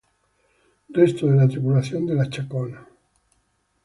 Resto de la tripulación de la Chacona.